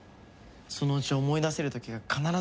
そのうち思い出せる時が必ずくるから。